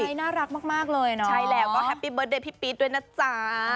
ใช่น่ารักมากเลยเนาะใช่แล้วก็แฮปปี้เบิร์เดย์พี่ปี๊ดด้วยนะจ๊ะ